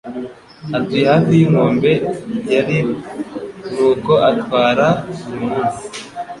Atuye hafi yinkombe ya Wripple, nuko atwara buri munsi.